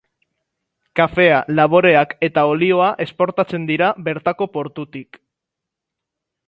Kafea, laboreak eta olioa esportatzen dira bertako portutik.